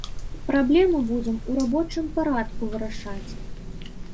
Праблему будзем у рабочым парадку вырашаць.